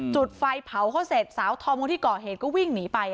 จุดไฟเผาเขาเสร็จสาวธอมคนที่ก่อเหตุก็วิ่งหนีไป